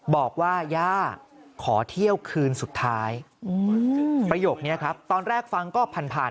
บอกว่าย่าขอเที่ยวคืนสุดท้ายประโยคนี้ครับตอนแรกฟังก็ผ่านผ่าน